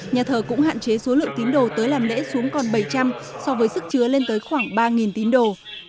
nhà thờ cũng hạn chế số lượng tín đồ tới làm lễ xuống còn bảy trăm linh so với sức chứa lên tới khoảng ba tín đồ